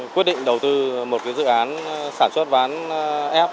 quyết định đầu tư một dự án sản xuất ván ép